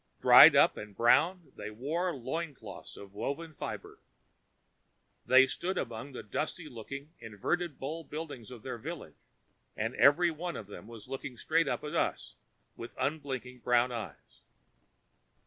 Dried up and brown, they wore loincloths of woven fiber. They stood among the dusty looking inverted bowl buildings of their village, and every one of them was looking straight up at us with unblinking brown eyes.